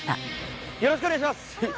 よろしくお願いします！